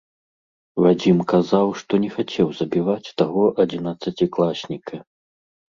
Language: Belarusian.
Вадзім казаў, што не хацеў забіваць таго адзінаццацікласніка.